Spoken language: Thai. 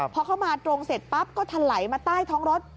พอเข้ามาตรงเสร็จปั๊บก็ถลายมาใต้ท้องรถ